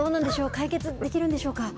解決できるんでしょうか。